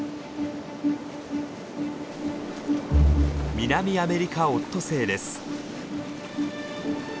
ミナミアメリカオットセイです。